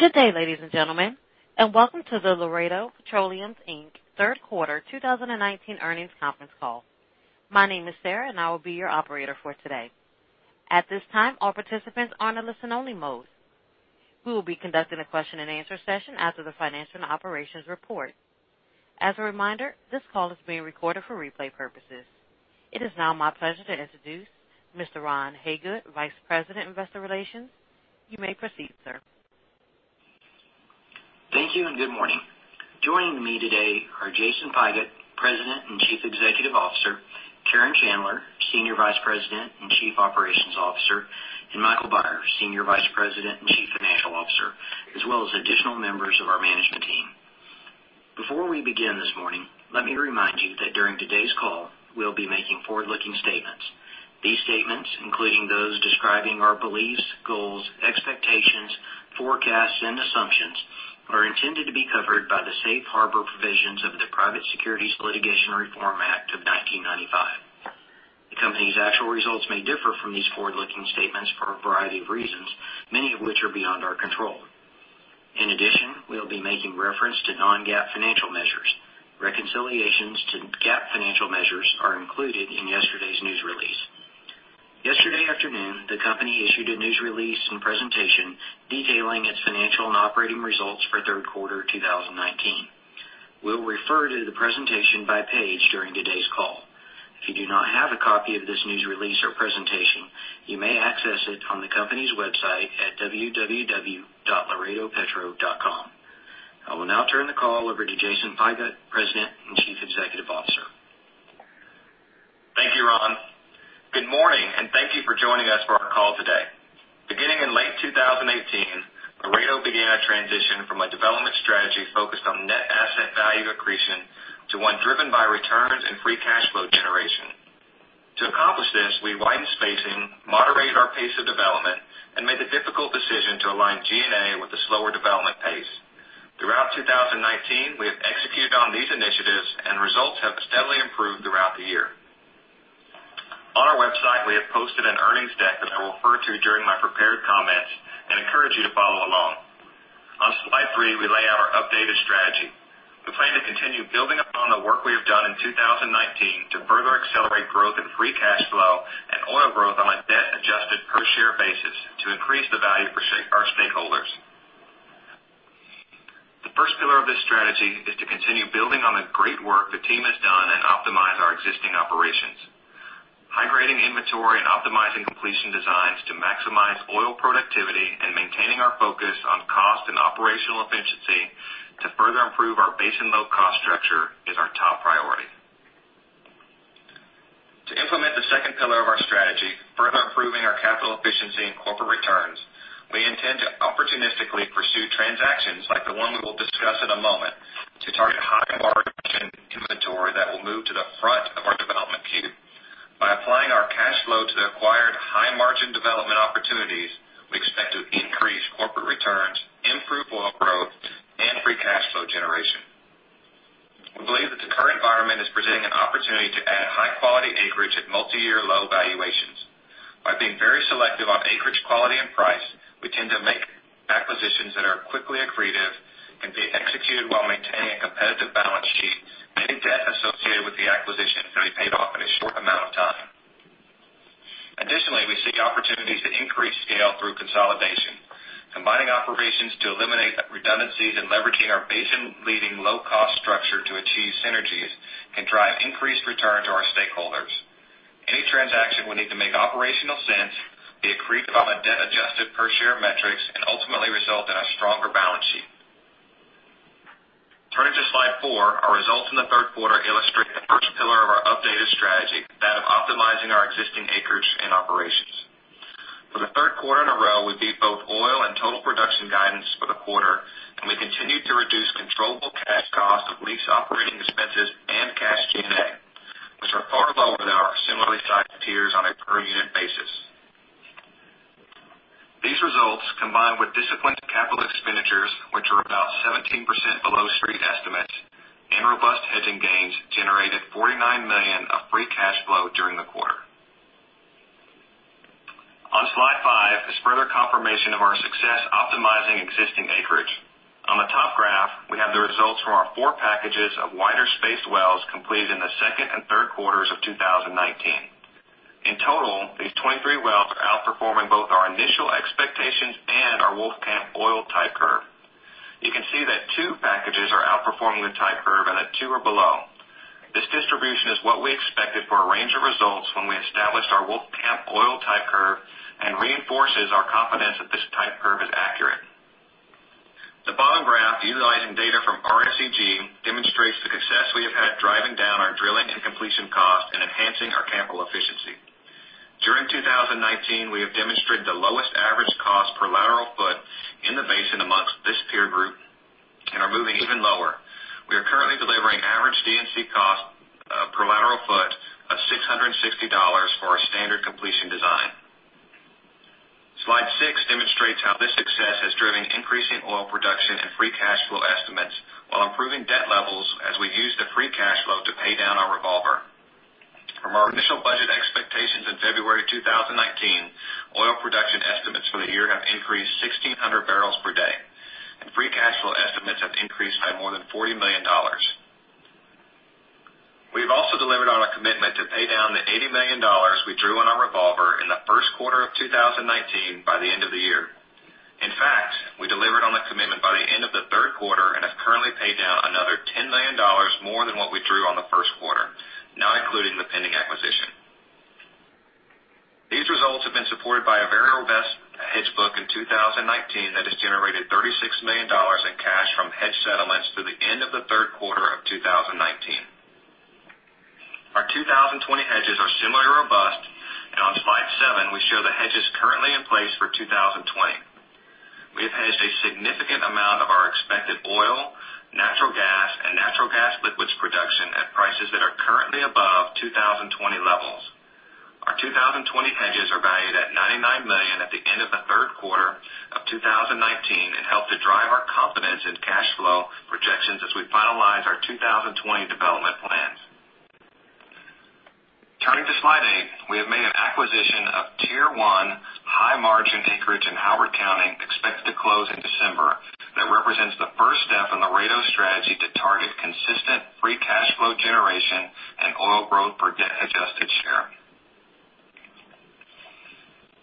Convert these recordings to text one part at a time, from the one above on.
Good day, ladies and gentlemen, welcome to the Laredo Petroleum, Inc. third quarter 2019 earnings conference call. My name is Sarah, and I will be your operator for today. At this time, all participants are in listen only mode. We will be conducting a question and answer session after the financial and operations report. As a reminder, this call is being recorded for replay purposes. It is now my pleasure to introduce Mr. Ron Hagood, Vice President, Investor Relations. You may proceed, sir. Thank you, and good morning. Joining me today are Jason Pigott, President and Chief Executive Officer, Karen Chandler, Senior Vice President and Chief Operating Officer, and Michael Beyer, Senior Vice President and Chief Financial Officer, as well as additional members of our management team. Before we begin this morning, let me remind you that during today's call, we'll be making forward-looking statements. These statements, including those describing our beliefs, goals, expectations, forecasts, and assumptions, are intended to be covered by the safe harbor provisions of the Private Securities Litigation Reform Act of 1995. The company's actual results may differ from these forward-looking statements for a variety of reasons, many of which are beyond our control. In addition, we'll be making reference to non-GAAP financial measures. Reconciliations to GAAP financial measures are included in yesterday's news release. Yesterday afternoon, the company issued a news release and presentation detailing its financial and operating results for third quarter 2019. We'll refer to the presentation by page during today's call. If you do not have a copy of this news release or presentation, you may access it on the company's website at www.laredopetro.com. I will now turn the call over to Jason Pigott, President and Chief Executive Officer. Thank you, Ron. Good morning, and thank you for joining us for our call today. Beginning in late 2018, Laredo began a transition from a development strategy focused on net asset value accretion to one driven by returns and free cash flow generation. To accomplish this, we widened spacing, moderated our pace of development, and made the difficult decision to align G&A with a slower development pace. Throughout 2019, we have executed on these initiatives and results have steadily improved throughout the year. On our website, we have posted an earnings deck that I will refer to during my prepared comments and encourage you to follow along. On slide three, we lay out our updated strategy. We plan to continue building upon the work we have done in 2019 to further accelerate growth in free cash flow and oil growth on a debt adjusted per share basis to increase the value for our stakeholders. The first pillar of this strategy is to continue building on the great work the team has done and optimize our existing operations. High grading inventory and optimizing completion designs to maximize oil productivity and maintaining our focus on cost and operational efficiency to further improve our basin low cost structure is our top priority. To implement the second pillar of our strategy, further improving our capital efficiency and corporate returns, we intend to opportunistically pursue transactions like the one we will discuss in a moment to target high margin inventory that will move to the front of our development queue. By applying our cash flow to the acquired high margin development opportunities, we expect to increase corporate returns, improve oil growth, and free cash flow generation. We believe that the current environment is presenting an opportunity to add high quality acreage at multi-year low valuations. By being very selective on acreage quality and price, we tend to make acquisitions that are quickly accretive, can be executed while maintaining a competitive balance sheet, any debt associated with the acquisition can be paid off in a short amount of time. Additionally, we seek opportunities to increase scale through consolidation. Combining operations to eliminate redundancies and leveraging our basin leading low cost structure to achieve synergies can drive increased return to our stakeholders. Any transaction will need to make operational sense, be accretive on a debt adjusted per share metrics, and ultimately result in a stronger balance sheet. Turning to slide four, our results in the third quarter illustrate the first pillar of our updated strategy, that of optimizing our existing acreage and operations. For the third quarter in a row, we beat both oil and total production guidance for the quarter, and we continued to reduce controllable cash costs of lease operating expenses and cash G&A, which are far lower than our similarly sized peers on a per unit basis. These results, combined with disciplined capital expenditures, which are about 17% below street estimates, and robust hedging gains, generated $49 million of free cash flow during the quarter. On slide five is further confirmation of our success optimizing existing acreage. On the top graph, we have the results from our four packages of wider spaced wells completed in the second and third quarters of 2019. In total, these 23 wells are outperforming both our initial expectations and our Wolfcamp oil type curve. You can see that two packages are outperforming the type curve and that two are below. This distribution is what we expected for a range of results when we established our Wolfcamp oil type curve and reinforces our confidence that this type curve is accurate. The bottom graph, utilizing data from RSEG, demonstrates the success we have had driving down our drilling and completion costs and enhancing our capital efficiency. During 2019, we have demonstrated the lowest average cost per lateral foot in the basin amongst this peer group and are moving even lower. We are currently delivering average D&C cost per lateral foot of $660 for our standard completion design. Slide six demonstrates how this success has driven increasing oil production and free cash flow estimates, the free cash flow to pay down our revolver. From our initial budget expectations in February 2019, oil production estimates for the year have increased 1,600 barrels per day, and free cash flow estimates have increased by more than $40 million. We've also delivered on a commitment to pay down the $80 million we drew on our revolver in the first quarter of 2019 by the end of the year. In fact, we delivered on the commitment by the end of the third quarter and have currently paid down another $10 million more than what we drew on the first quarter, not including the pending acquisition. These results have been supported by a very robust hedge book in 2019 that has generated $36 million in cash from hedge settlements through the end of the third quarter of 2019. Our 2020 hedges are similarly robust, and on slide seven, we show the hedges currently in place for 2020. We have hedged a significant amount of our expected oil, natural gas, and natural gas liquids production at prices that are currently above 2020 levels. Our 2020 hedges are valued at $99 million at the end of the third quarter of 2019 and help to drive our confidence in cash flow projections as we finalize our 2020 development plans. Turning to slide eight, we have made an acquisition of Tier I high margin acreage in Howard County expected to close in December. That represents the first step in Laredo's strategy to target consistent free cash flow generation and oil growth per debt adjusted share.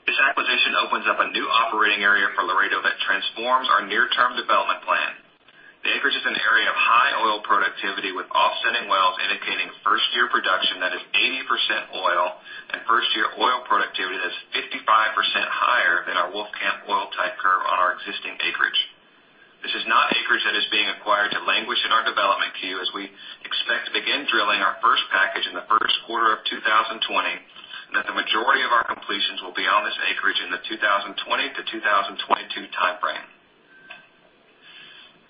This acquisition opens up a new operating area for Laredo that transforms our near-term development plan. The acreage is an area of high oil productivity, with offsetting wells indicating first-year production that is 80% oil and first-year oil productivity that's 55% higher than our Wolfcamp oil type curve on our existing acreage. This is not acreage that is being acquired to languish in our development queue, as we expect to begin drilling our first package in the first quarter of 2020, and that the majority of our completions will be on this acreage in the 2020-2022 timeframe.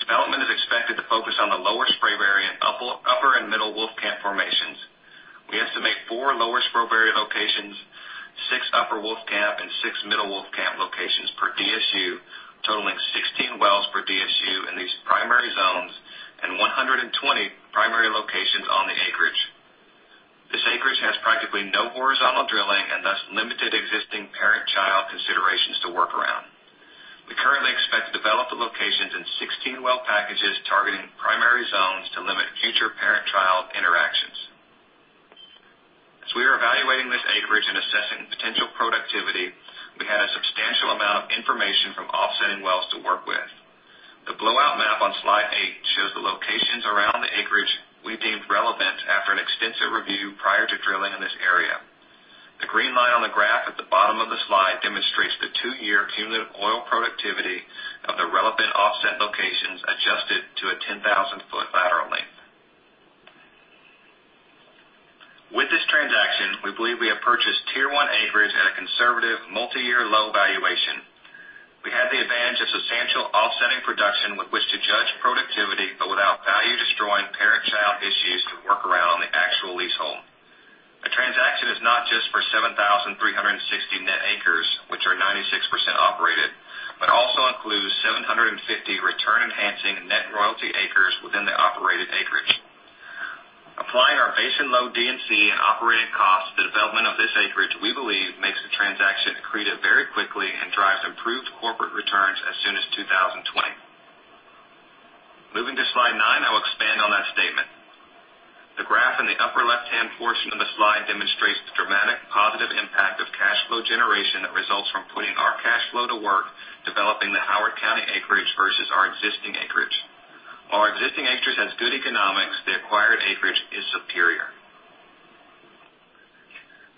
Development is expected to focus on the Lower Spraberry and Upper and Middle Wolfcamp formations. We estimate four Lower Spraberry locations, six Upper Wolfcamp, and six Middle Wolfcamp locations per DSU, totaling 16 wells per DSU in these primary zones and 120 primary locations on the acreage. This acreage has practically no horizontal drilling and, thus, limited existing parent-child considerations to work around. We currently expect to develop the locations in 16 well packages targeting primary zones to limit future parent-child interactions. As we are evaluating this acreage and assessing potential productivity, we had a substantial amount of information from offsetting wells to work with. The blowout map on slide eight shows the locations around the acreage we deemed relevant after an extensive review prior to drilling in this area. The green line on the graph at the bottom of the slide demonstrates the two-year cumulative oil productivity of the relevant offset locations adjusted to a 10,000-foot lateral length. With this transaction, we believe we have purchased Tier I acreage at a conservative multiyear low valuation. We had the advantage of substantial offsetting production with which to judge productivity, but without value-destroying parent-child issues to work around on the actual leasehold. The transaction is not just for 7,360 net acres, which are 96% operated, but also includes 750 return-enhancing net royalty acres within the operated acreage. Applying our base and low D&C and operating costs, the development of this acreage, we believe, makes the transaction accretive very quickly and drives improved corporate returns as soon as 2020. Moving to slide nine, I will expand on that statement. The graph in the upper left-hand portion of the slide demonstrates the dramatic positive impact of cash flow generation that results from putting our cash flow to work developing the Howard County acreage versus our existing acreage. While our existing acreage has good economics, the acquired acreage is superior.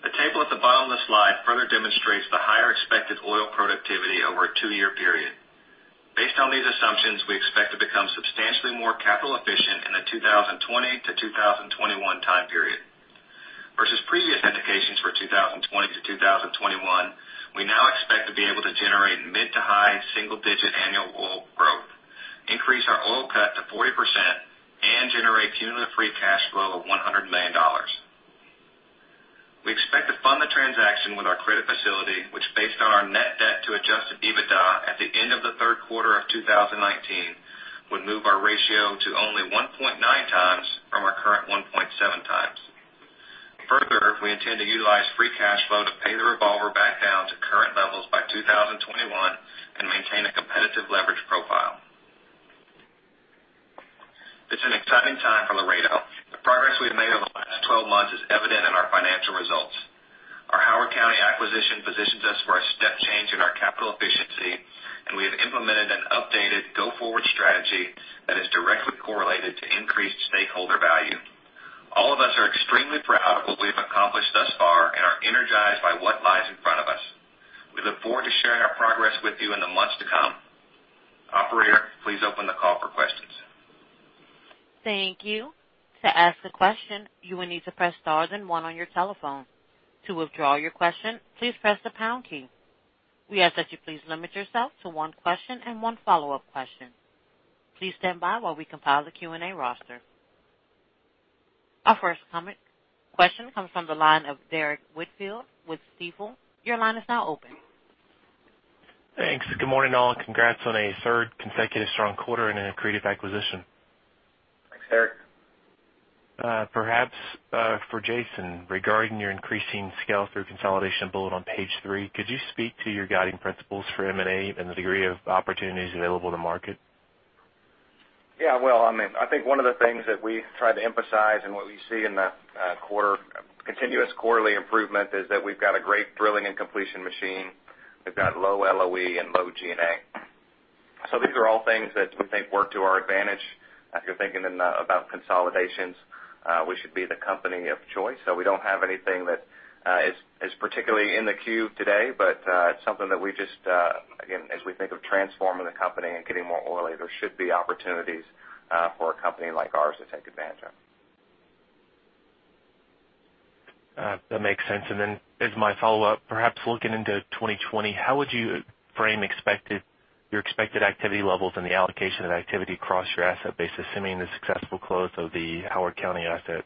The table at the bottom of the slide further demonstrates the higher expected oil productivity over a two-year period. Based on these assumptions, we expect to become substantially more capital efficient in the 2020-2021 time period. Versus previous indications for 2020-2021, we now expect to be able to generate mid to high single-digit annual oil growth, increase our oil cut to 40%, and generate cumulative free cash flow of $100 million. We expect to fund the transaction with our credit facility, which based on our net debt to adjusted EBITDA at the end of the third quarter of 2019, would move our ratio to only 1.9 times from our current 1.7 times. Further, we intend to utilize free cash flow to pay the revolver back down to current levels by 2021 and maintain a competitive leverage profile. It's an exciting time for Laredo. The progress we've made over the last 12 months is evident in our financial results. Our Howard County acquisition positions us for a step change in our capital efficiency, and we have implemented an updated go-forward strategy that is directly correlated to increased stakeholder value. All of us are extremely proud of what we've accomplished thus far and are energized by what lies in front of us. We look forward to sharing our progress with you in the months to come. Operator, please open the call for questions. Thank you. To ask a question, you will need to press star then one on your telephone. To withdraw your question, please press the pound key. We ask that you please limit yourself to one question and one follow-up question. Please stand by while we compile the Q&A roster. Our first question comes from the line of Derrick Whitfield with Stifel. Your line is now open. Thanks. Good morning, all. Congrats on a third consecutive strong quarter and an accretive acquisition. Thanks, Derrick. Perhaps for Jason, regarding your increasing scale through consolidation bullet on page three, could you speak to your guiding principles for M&A and the degree of opportunities available to market? Yeah. Well, I think one of the things that we try to emphasize and what we see in the continuous quarterly improvement is that we've got a great drilling and completion machine. We've got low LOE and low G&A. These are all things that we think work to our advantage. If you're thinking about consolidations, we should be the company of choice. We don't have anything that is particularly in the queue today, but it's something that we just, again, as we think of transforming the company and getting more oily, there should be opportunities for a company like ours to take advantage of. That makes sense. As my follow-up, perhaps looking into 2020, how would you frame your expected activity levels and the allocation of activity across your asset base, assuming the successful close of the Howard County asset?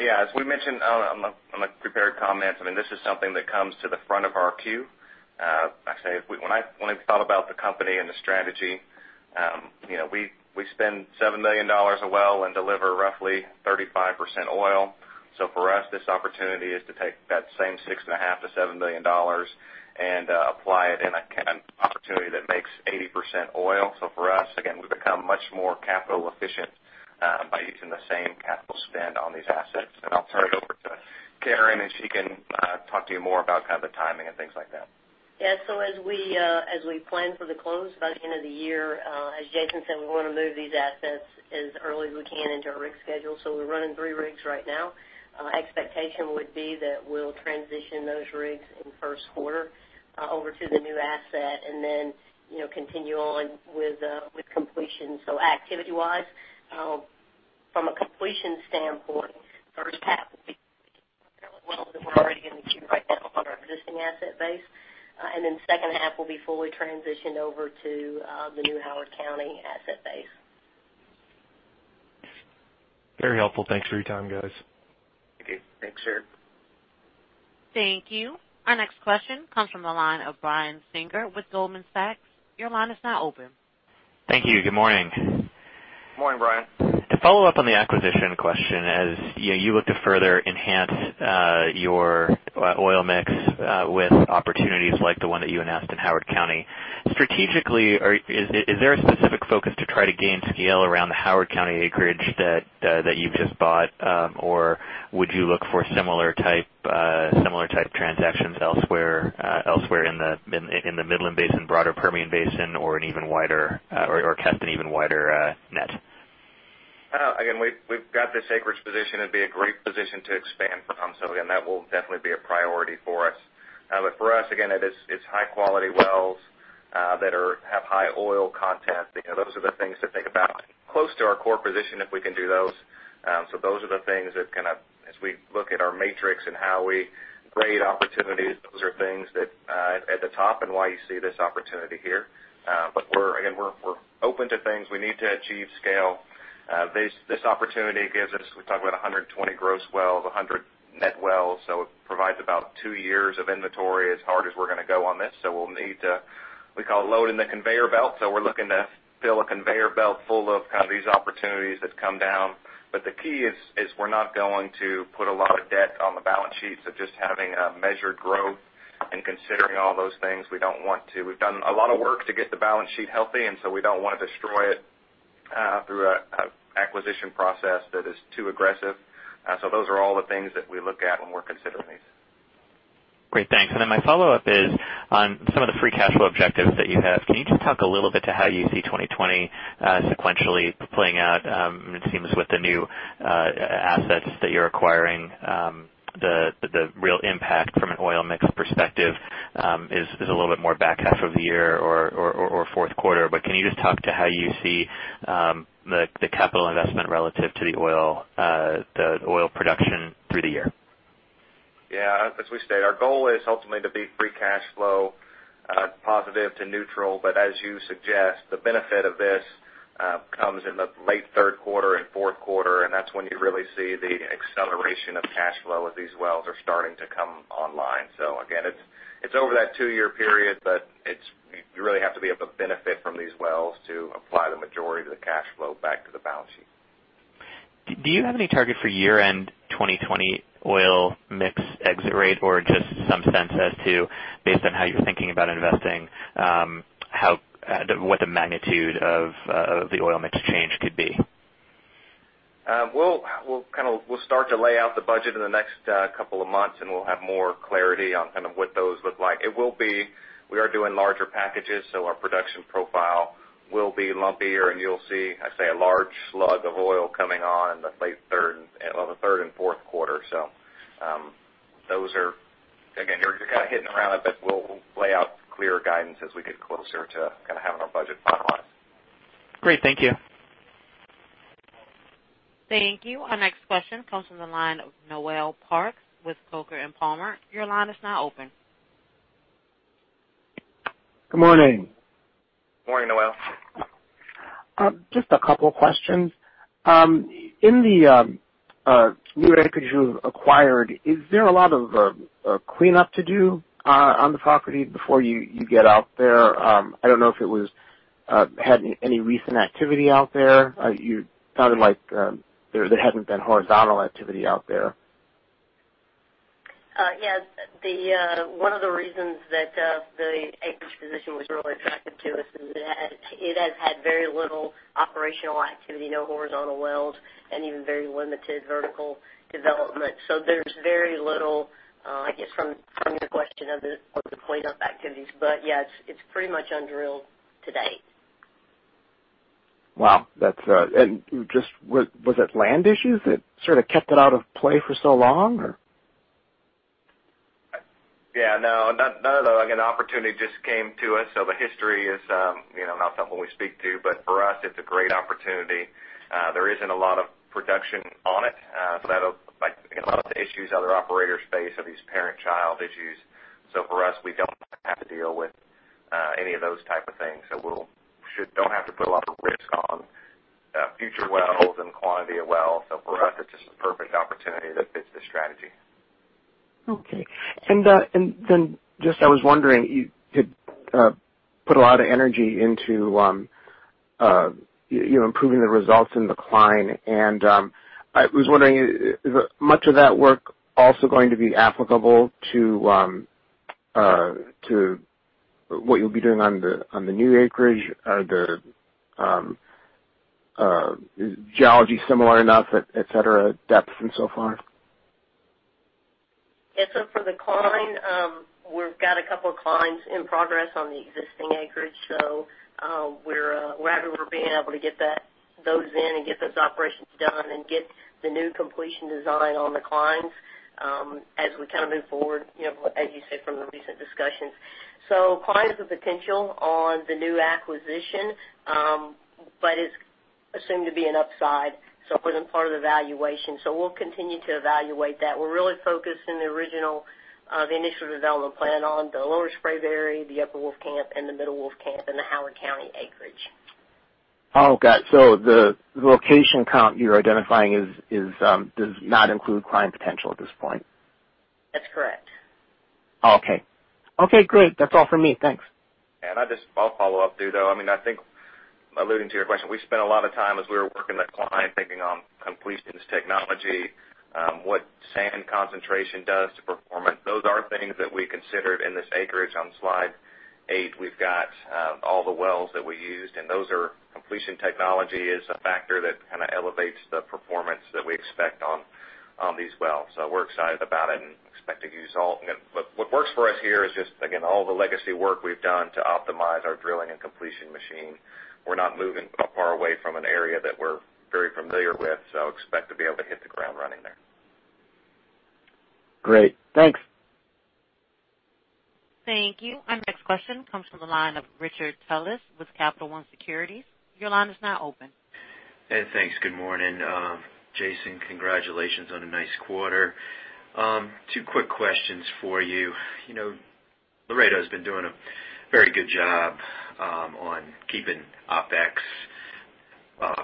Yeah. As we mentioned on the prepared comments, this is something that comes to the front of our queue. When we thought about the company and the strategy, we spend $7 million a well and deliver roughly 35% oil. For us, this opportunity is to take that same $6.5 million to $7 million and apply it in an opportunity that makes 80% oil. For us, again, we become much more capital efficient by using the same capital spend on these assets. I'll turn it over to Karen, and she can talk to you more about the timing and things like that. Yeah. As we plan for the close by the end of the year, as Jason said, we want to move these assets as early as we can into our rig schedule. We're running 3 rigs right now. Expectation would be that we'll transition those rigs in first quarter over to the new asset and then continue on with completion. Activity-wise, from a completion standpoint, first half will be fairly well that we're already getting the queue right now on our existing asset base. Second half will be fully transitioned over to the new Howard County asset base. Very helpful. Thanks for your time, guys. Thank you. Thanks, Eric. Thank you. Our next question comes from the line of Brian Singer with Goldman Sachs. Your line is now open. Thank you. Good morning. Morning, Brian. To follow up on the acquisition question, as you look to further enhance your oil mix with opportunities like the one that you announced in Howard County, strategically, is there a specific focus to try to gain scale around the Howard County acreage that you've just bought? Or would you look for similar type transactions elsewhere in the Midland Basin, broader Permian Basin, or cast an even wider net? Again, we've got this acreage position. It'd be a great position to expand from. Again, that will definitely be a priority for us. For us, again, it's high-quality wells that have high oil content. Those are the things to think about. Close to our core position if we can do those. Those are the things that as we look at our matrix and how we grade opportunities, those are things that are at the top and why you see this opportunity here. Again, we're open to things. We need to achieve scale. This opportunity gives us, we talk about 120 gross wells, 100 net wells. It provides about two years of inventory as hard as we're going to go on this. We'll need to, we call it loading the conveyor belt. We're looking to fill a conveyor belt full of these opportunities that come down. The key is we're not going to put a lot of debt on the balance sheet. Just having a measured growth and considering all those things, we've done a lot of work to get the balance sheet healthy, and so we don't want to destroy it through an acquisition process that is too aggressive. Those are all the things that we look at when we're considering these. Great. Thanks. My follow-up is on some of the free cash flow objectives that you have. Can you just talk a little bit to how you see 2020 sequentially playing out? It seems with the new assets that you're acquiring, the real impact from an oil mix perspective is a little bit more back half of the year or fourth quarter. Can you just talk to how you see the capital investment relative to the oil production through the year? Yeah. As we stated, our goal is ultimately to be free cash flow positive to neutral. As you suggest, the benefit of this comes in the late third quarter and fourth quarter, and that's when you really see the acceleration of cash flow as these wells are starting to come online. Again, it's over that two-year period, but you really have to be able to benefit from these wells to apply the majority of the cash flow back to the balance sheet. Do you have any target for year-end 2020 oil mix exit rate or just some sense as to based on how you're thinking about investing, what the magnitude of the oil mix change could be? We'll start to lay out the budget in the next couple of months, and we'll have more clarity on what those look like. We are doing larger packages, so our production profile will be lumpier, and you'll see, I'd say, a large slug of oil coming on in the third and fourth quarter. Those are, again, you're hitting around it, but we'll lay out clearer guidance as we get closer to having our budget finalized. Great. Thank you. Thank you. Our next question comes from the line of Noel Parks with Coker & Palmer. Your line is now open. Good morning. Morning, Noel. Just a couple of questions. In the new acreage you've acquired, is there a lot of cleanup to do on the property before you get out there? I don't know if it had any recent activity out there. You sounded like there hasn't been horizontal activity out there. Yes. One of the reasons that the acreage position was really attractive to us is that it has had very little operational activity, no horizontal wells, and even very limited vertical development. There's very little, I guess, from your question of the cleanup activities. Yes, it's pretty much undrilled to date. Wow. Was it land issues that sort of kept it out of play for so long, or? None of that. The opportunity just came to us, the history is not something we speak to, for us, it's a great opportunity. There isn't a lot of production on it. A lot of the issues other operators face are these parent-child issues. For us, we don't have to deal with any of those type of things. We don't have to put a lot of risk on future wells and quantity of wells. For us, it's just a perfect opportunity that fits the strategy. Okay. Just, I was wondering, you put a lot of energy into improving the results in Cline. I was wondering, is much of that work also going to be applicable to what you'll be doing on the new acreage? Is geology similar enough, et cetera, depth and so forth? Yes. For Cline, we've got a couple of declines in progress on the existing acreage. We're happy we're being able to get those in and get those operations done and get the new completion design on the declines as we move forward, as you said, from the recent discussions. Cline has the potential on the new acquisition, but it's assumed to be an upside, so it wasn't part of the valuation. We'll continue to evaluate that. We're really focused in the original, the initial development plan on the Lower Spraberry, the Upper Wolfcamp, and the Middle Wolfcamp, and the Howard County acreage. Oh, got it. The location count you're identifying does not include Cline potential at this point? That's correct. Oh, okay. Okay, great. That's all for me. Thanks. I'll follow up, too, though. I think alluding to your question, we spent a lot of time as we were working the Cline, thinking on completions technology, what sand concentration does to performance. Those are things that we considered in this acreage. On slide 8, we've got all the wells that we used. Completion technology is a factor that elevates the performance that we expect on these wells. We're excited about it. What works for us here is just, again, all the legacy work we've done to optimize our drilling and completion machine. We're not moving far away from an area that we're very familiar with, so expect to be able to hit the ground running there. Great. Thanks. Thank you. Our next question comes from the line of Richard Tullis with Capital One Securities. Your line is now open. Hey, thanks. Good morning. Jason, congratulations on a nice quarter. Two quick questions for you. Laredo's been doing a very good job on keeping OpEx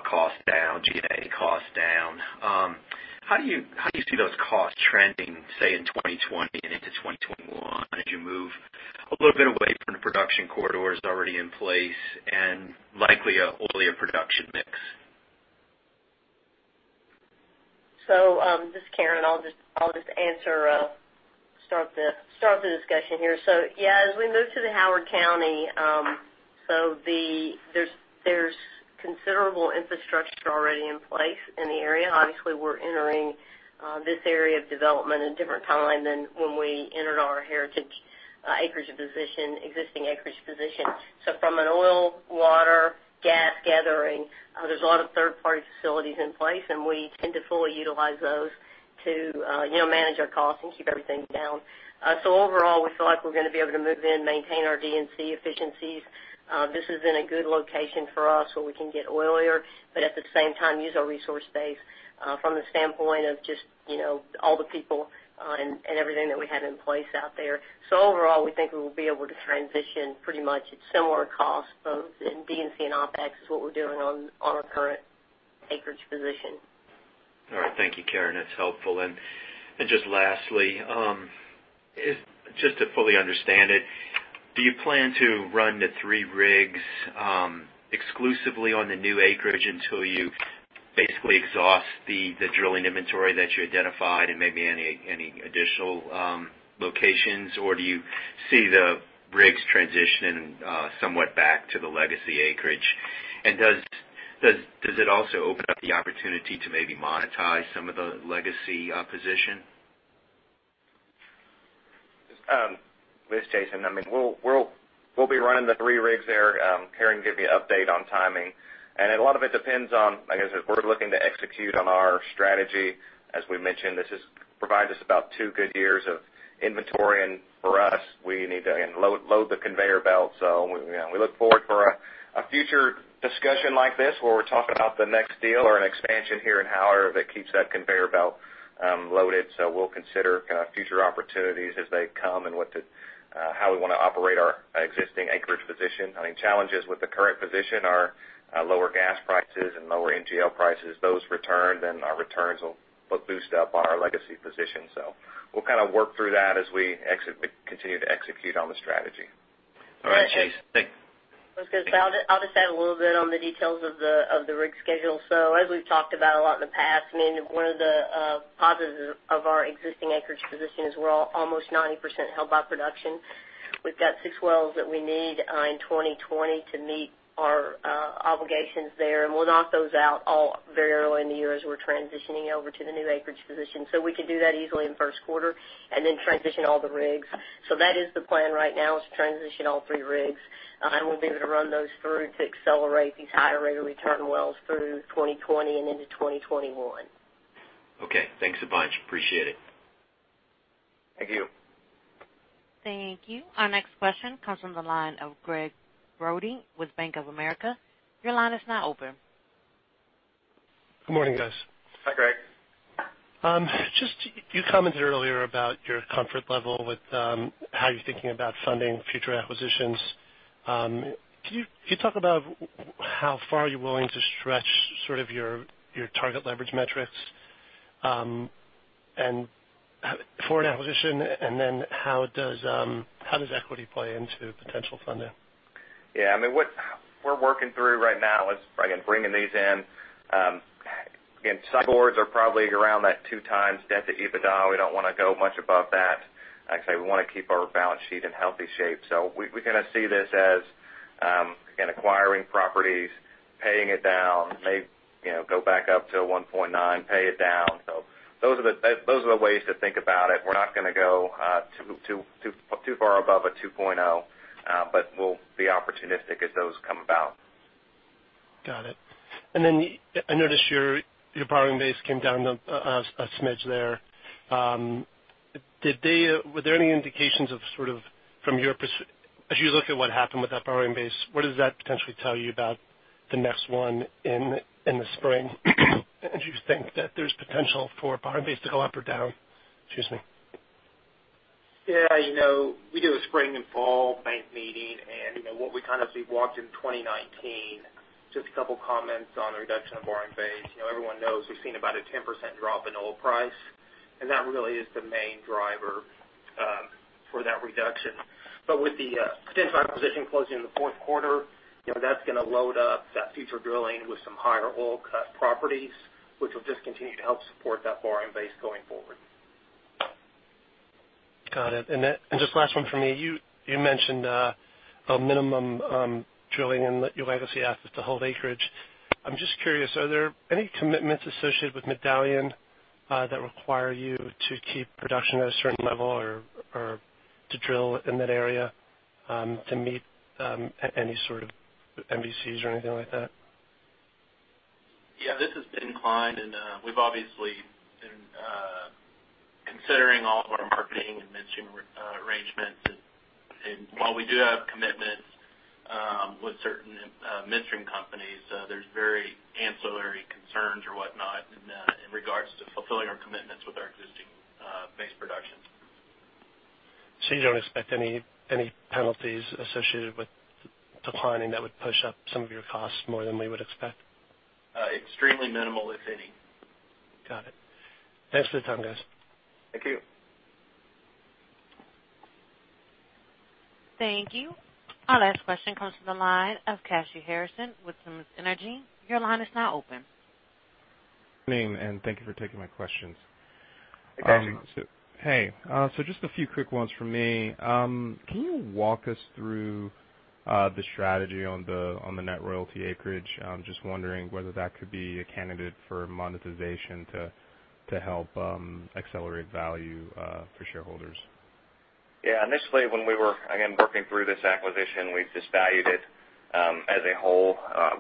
cost down, G&A cost down. How do you see those costs trending, say, in 2020 and into 2021, as you move a little bit away from the production corridors already in place and likely an oilier production mix? This is Karen. I'll just start the discussion here. Yeah, as we move to the Howard County, there's considerable infrastructure already in place in the area. Obviously, we're entering this area of development in a different timeline than when we entered our heritage acreage position, existing acreage position. From an oil, water, gas gathering, there's a lot of third-party facilities in place, and we tend to fully utilize those to manage our costs and keep everything down. Overall, we feel like we're going to be able to move in, maintain our D&C efficiencies. This has been a good location for us where we can get oilier, but at the same time use our resource base from the standpoint of just all the people and everything that we have in place out there. Overall, we think we will be able to transition pretty much at similar costs, both in D&C and OpEx, as what we're doing on our current acreage position. All right. Thank you, Karen. That's helpful. Just lastly, just to fully understand it, do you plan to run the three rigs exclusively on the new acreage until you basically exhaust the drilling inventory that you identified and maybe any additional locations? Or do you see the rigs transitioning somewhat back to the legacy acreage? Does it also open up the opportunity to maybe monetize some of the legacy position? This is Jason. We'll be running the three rigs there. Karen can give you an update on timing. A lot of it depends on, like I said, we're looking to execute on our strategy. As we mentioned, this provides us about two good years of inventory. For us, we need to load the conveyor belt. We look forward for a future discussion like this where we're talking about the next deal or an expansion here in Howard that keeps that conveyor belt loaded. We'll consider future opportunities as they come and how we want to operate our existing acreage position. Challenges with the current position are lower gas prices and lower NGL prices. Those return, then our returns will boost up our legacy position. We'll work through that as we continue to execute on the strategy. All right, Jason. Thank you. I'll just add a little bit on the details of the rig schedule. As we've talked about a lot in the past, one of the positives of our existing acreage position is we're almost 90% held by production. We've got six wells that we need in 2020 to meet our obligations there, and we'll knock those out all very early in the year as we're transitioning over to the new acreage position. We can do that easily in the first quarter and then transition all the rigs. That is the plan right now, is to transition all three rigs, and we'll be able to run those through to accelerate these higher rate of return wells through 2020 and into 2021. Okay, thanks a bunch. Appreciate it. Thank you. Thank you. Our next question comes from the line of Gregg Brody with Bank of America. Your line is now open. Good morning, guys. Hi, Gregg. Just, you commented earlier about your comfort level with how you're thinking about funding future acquisitions. Can you talk about how far you're willing to stretch sort of your target leverage metrics for an acquisition, and then how does equity play into potential funding? Yeah, what we're working through right now is, again, bringing these in. Again, some boards are probably around that 2 times debt to EBITDA. We don't want to go much above that. Like I say, we want to keep our balance sheet in healthy shape. We kind of see this as, again, acquiring properties, paying it down, maybe go back up to a 1.9, pay it down. Those are the ways to think about it. We're not going to go too far above a 2.0, but we'll be opportunistic as those come about. Got it. I noticed your borrowing base came down a smidge there. Were there any indications of sort of, as you look at what happened with that borrowing base, what does that potentially tell you about the next one in the spring? Do you think that there's potential for borrowing base to go up or down? Excuse me. Yeah. We do a spring and fall bank meeting, and as we walked into 2019, just a couple of comments on the reduction of borrowing base. Everyone knows we've seen about a 10% drop in oil price, and that really is the main driver for that reduction. With the Stinson acquisition closing in the fourth quarter, that's going to load up that future drilling with some higher oil cut properties, which will just continue to help support that borrowing base going forward. Got it. Just last one from me. You mentioned a minimum drilling in your legacy assets to hold acreage. I'm just curious, are there any commitments associated with Medallion that require you to keep production at a certain level or to drill in that area, to meet any sort of MVCs or anything like that? Yeah, this is Ben Klein. We've obviously been considering all of our marketing and midstream arrangements. While we do have commitments with certain midstream companies, there's very ancillary concerns or whatnot in regards to fulfilling our commitments with our existing base productions. You don't expect any penalties associated with declining that would push up some of your costs more than we would expect? Extremely minimal, if any. Got it. Thanks for the time, guys. Thank you. Thank you. Our last question comes from the line of Kashy Harrison with Simmons Energy. Your line is now open. Good morning, and thank you for taking my questions. Hey, Kashy. Hey. Just a few quick ones from me. Can you walk us through the strategy on the net royalty acreage? I'm just wondering whether that could be a candidate for monetization to help accelerate value for shareholders. Yeah. Initially, when we were, again, working through this acquisition, we just valued it as a whole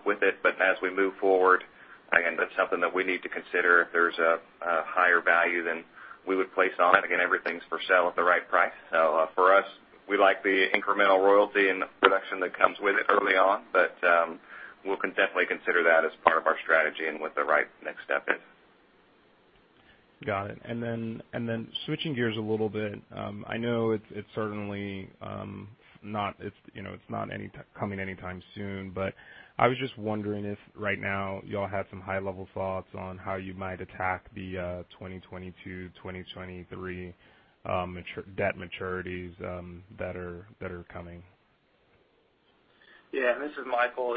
with it. As we move forward, again, that's something that we need to consider. If there's a higher value, then we would place on it. Again, everything's for sale at the right price. For us, we like the incremental royalty and the production that comes with it early on, but we'll definitely consider that as part of our strategy and what the right next step is. Got it. Switching gears a little bit. I know it's not coming anytime soon, but I was just wondering if right now y'all have some high-level thoughts on how you might attack the 2022, 2023 debt maturities that are coming? Yeah. This is Michael.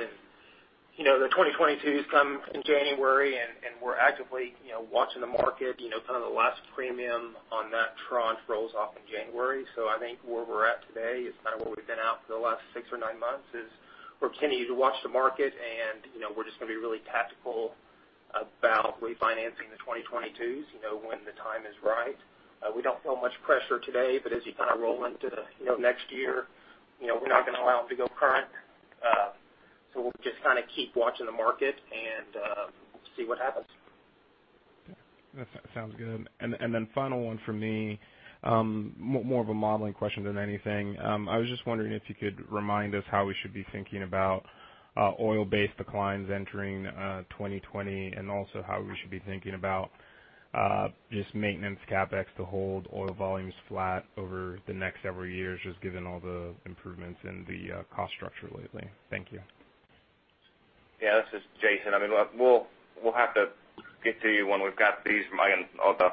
The 2022s come in January, and we're actively watching the market. The last premium on that tranche rolls off in January. I think where we're at today is kind of where we've been at for the last six or nine months, is we're continuing to watch the market, and we're just going to be really tactical about refinancing the 2022s when the time is right. We don't feel much pressure today, as you roll into the next year, we're not going to allow them to go current. We'll just keep watching the market and see what happens. That sounds good. Final one from me, more of a modeling question than anything. I was just wondering if you could remind us how we should be thinking about oil base declines entering 2020, and also how we should be thinking about just maintenance CapEx to hold oil volumes flat over the next several years, just given all the improvements in the cost structure lately. Thank you. Yeah. This is Jason. We'll have to get to you when we've got these. All the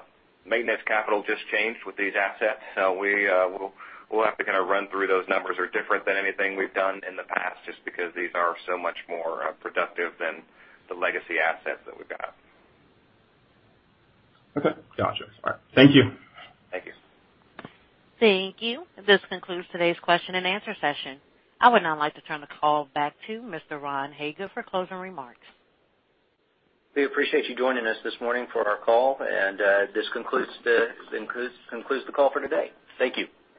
maintenance capital just changed with these assets. We'll have to run through those numbers are different than anything we've done in the past, just because these are so much more productive than the legacy assets that we've got. Okay. Got you. All right. Thank you. Thank you. Thank you. This concludes today's question and answer session. I would now like to turn the call back to Mr. Ron Hagood for closing remarks. We appreciate you joining us this morning for our call, and this concludes the call for today. Thank you.